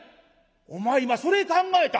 「お前今それ考えた？